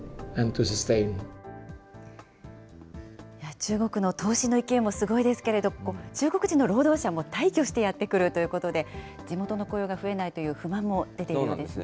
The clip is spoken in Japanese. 中国の投資の勢いもすごいですけれど、中国人の労働者も大挙してやって来るということで、地元の雇用が増えないという不満も出ているんですね。